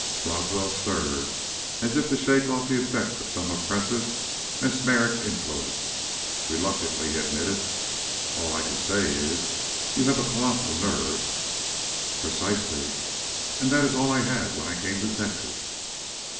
Roswell stirred as if to shake off the effect of some oppressive, mesmeric influence; reluctantly he admitted, "All I can say is you have a colossal nerve " "Precisely. And that is all I had when I came to Texas."